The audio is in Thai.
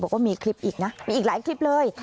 บอกว่ามีคลิปอีกนะมีอีกหลายคลิปเลย